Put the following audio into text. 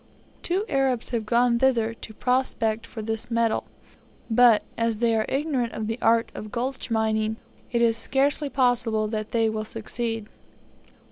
Two Arabs have gone thither to prospect for this metal; but, as they are ignorant of the art of gulch mining, it is scarcely possible that they will succeed.